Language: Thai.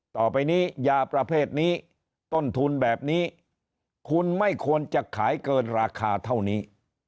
ต่อไปนี้ยาประเภทนี้ต้นทุนแบบนี้คุณไม่ควรจะขายเกินราคาเท่านี้